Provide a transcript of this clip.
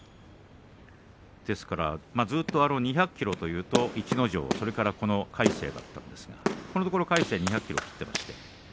ですから、ずっと２００ｋｇというと逸ノ城それから魁聖だったんですがこのところ魁聖が２００ｋｇを切っています。